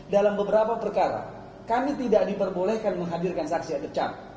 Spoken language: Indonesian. dalam beberapa perkara kami tidak diperbolehkan menghadirkan saksi ade cap